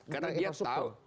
karena dia tahu